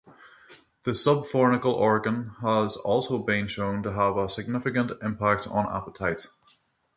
The subfornical organ has also been shown to have a significant impact on appetite.